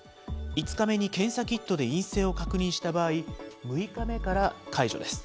５日目に検査キットで陰性を確認した場合、６日目から解除です。